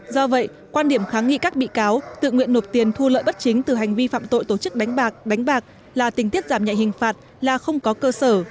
do vậy quan điểm kháng nghị các bị cáo tự nguyện nộp tiền thu lợi bất chính từ hành vi phạm tội tổ chức đánh bạc đánh bạc là tình tiết giảm nhẹ hình phạt là không có cơ sở